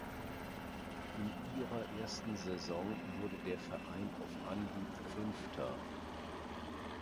In ihrer ersten Saison wurde der Verein auf Anhieb fünfter.